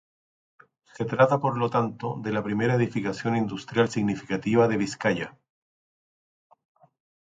Se trata por lo tanto de la primera edificación industrial significativa de Vizcaya.